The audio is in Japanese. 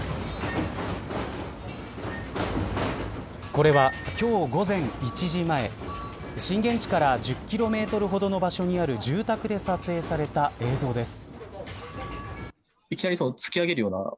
これは今日午前１時前震源地から１０キロほどの場所にある住宅で撮影された映像です。